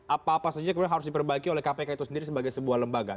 apa apa saja kemudian harus diperbaiki oleh kpk itu sendiri sebagai sebuah lembaga